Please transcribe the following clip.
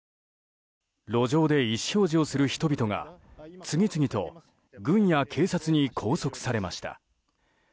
路上で意思表示をする人々が次々と軍や警察に拘束されました。